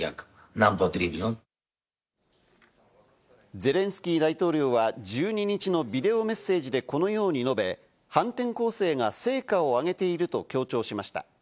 ゼレンスキー大統領は１２日のビデオメッセージでこのように述べ、反転攻勢が成果を上げていると強調しました。